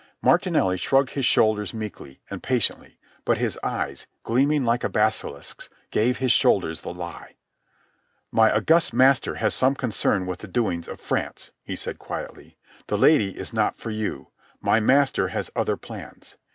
Martinelli shrugged his shoulders meekly and patiently, but his eyes, gleaming like a basilisk's, gave his shoulders the lie. "My august master has some concern with the doings of France," he said quietly. "The lady is not for you. My master has other plans.